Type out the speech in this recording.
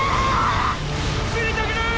死にたくない！